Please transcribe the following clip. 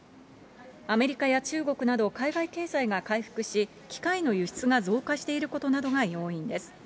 アメリカや中国など海外経済が回復し、機械の輸出が増加していることなどが要因です。